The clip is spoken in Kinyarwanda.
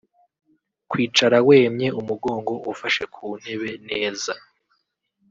kwicara wemye umugongo ufashe ku ntebe neza